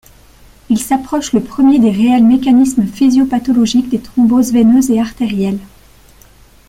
Il s'approche le premier des réels mécanismes physio-pathologiques des thromboses veineuses et artérielles.